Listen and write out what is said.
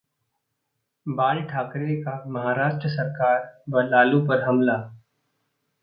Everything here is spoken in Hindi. बाल ठाकरे का महाराष्ट्र सरकार व लालू पर हमला